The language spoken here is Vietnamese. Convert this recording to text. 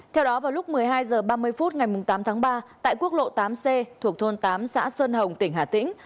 theo đó vào lúc một mươi hai h ba mươi phút ngày tám tháng ba tại quốc lộ tám c thuộc thôn tám xã sơn hồng tỉnh hà tĩnh